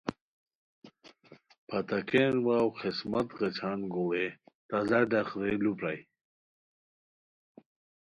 پھتاکین واؤ خذمت غیچھان گوڑئیے تازہ ڈق رے لو پرائے